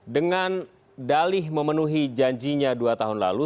dengan dalih memenuhi janjinya dua tahun lalu